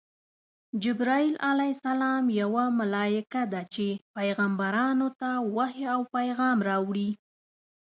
جبراییل ع یوه ملایکه ده چی پیغمبرانو ته وحی او پیغام راوړي.